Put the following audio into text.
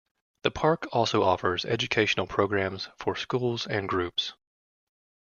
The park also offers educational programs for schools and groups.